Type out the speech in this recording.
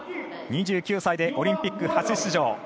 ２９歳でオリンピック初出場。